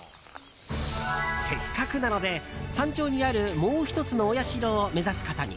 せっかくなので山頂にあるもう１つのお社を目指すことに。